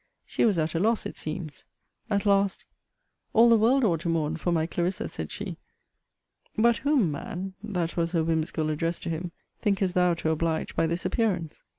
She was at a loss, it seems. At last All the world ought to mourn for my Clarissa, said she; But whom, man, [that was her whimsical address to him,] thinkest thou to oblige by this appearance?